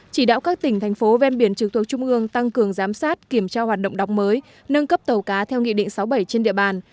chỉ đạo các tỉnh thành phố ven biển trực thuộc trung ương tăng cường giám sát kiểm tra hoạt động đọc mới nâng cấp tàu cá theo nghị định sáu mươi bảy trên địa bàn